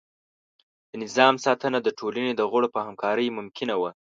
د نظام ساتنه د ټولنې د غړو په همکارۍ ممکنه وه.